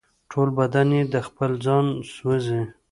ټول بدن یې د خپل ځانه سوزي